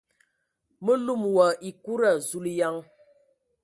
Mə lum wa ekuda ! Zulǝyan!